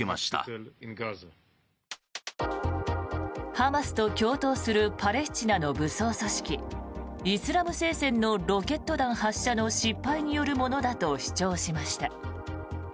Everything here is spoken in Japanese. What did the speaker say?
ハマスと共闘するパレスチナの武装組織イスラム聖戦のロケット弾発射の失敗によるものだと主張しました。